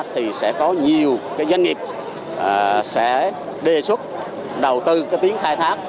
thì sẽ có nhiều doanh nghiệp sẽ đề xuất đầu tư tuyến khai thác